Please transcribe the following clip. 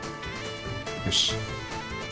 よし。